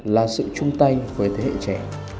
và sự chung tay với thế hệ trẻ